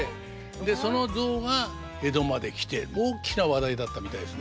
その象が江戸まで来て大きな話題だったみたいですね。